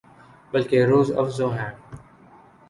بلکہ روزافزوں ہے